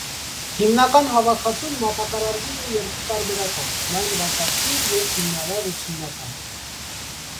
Հիմնական հավաքածուն մատակարարվում է երկու տարբերակով՝ լայն վաճառքի և հիմնարար ուսումնական։